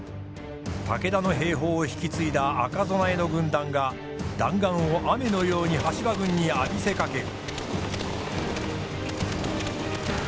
武田の兵法を引き継いだ赤備えの軍団が弾丸を雨のように羽柴軍に浴びせかける。